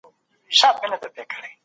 که انلاین ټولګي وي.